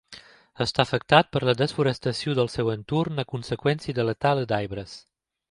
Està afectat per la desforestació del seu entorn a conseqüència de la tala d'arbres.